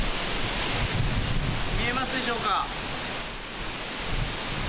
見えますでしょうか。